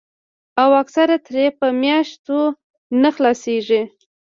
او اکثر ترې پۀ مياشتو نۀ خلاصيږي